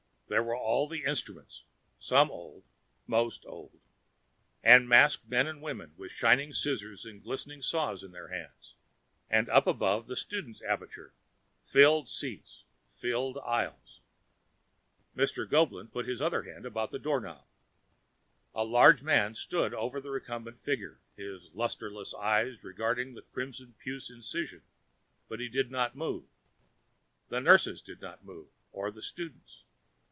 There were all the instruments, some old, most old, and the masked men and women with shining scissors and glistening saws in their hands. And up above, the students' aperture: filled seats, filled aisles. Mr. Goeblin put his other hand about the doorknob. A large man stood over the recumbent figure, his lusterless eyes regarding the crimson puce incision, but he did not move. The nurses did not move, or the students.